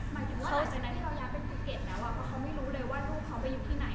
หมายถึงว่าหลังจากนั้นที่เราย้ายไปภูเก็ตแล้วเพราะเขาไม่รู้เลยว่าลูกเขาไปอยู่ที่ไหน